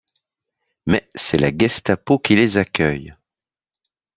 Mais c’est la Gestapo qui les accueille.